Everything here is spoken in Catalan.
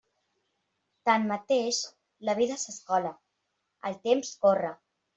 Tanmateix, la vida s'escola, el temps corre.